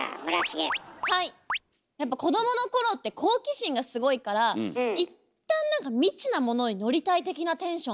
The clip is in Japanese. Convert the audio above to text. やっぱ子どもの頃って好奇心がすごいからいったんなんか未知な物に乗りたい的なテンションで。